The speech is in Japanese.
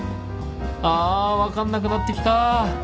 あ分かんなくなってきた